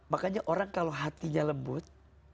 makanya orang kalau hatinya lembut